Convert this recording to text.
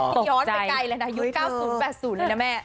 นี่ย้อนไปไกลเลยนะยุค๙๐๘๐เลยนะแม่